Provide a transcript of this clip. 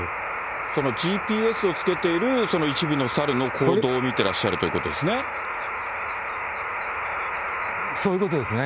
そのＧＰＳをつけている一部のサルの行動を見てらっしゃるということですね。